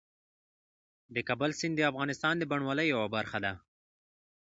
د کابل سیند د افغانستان د بڼوالۍ یوه برخه ده.